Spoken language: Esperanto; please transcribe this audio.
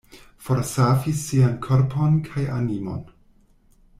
Forsavis sian korpon kaj animon.